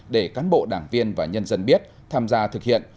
để cán bộ đảng viên và nhân dân biết tham gia thực hiện